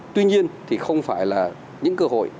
tuy nhiên thì không phải là những cơ hội